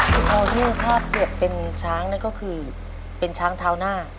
พอที่ข้าเปลี่ยนเป็นช้างนี่ก็คือเป็นช้างเท้าหน้า